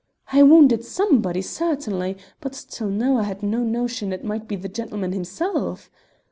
"I wounded somebody, certainly, but till now I had no notion it might be the gentleman himself.